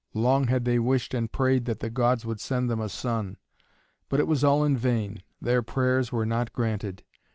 Long had they wished and prayed that the gods would send them a son, but it was all in vain their prayers were not granted.